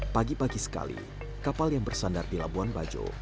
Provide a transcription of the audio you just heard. pada saat ini kapal yang bersandar di labuan bajo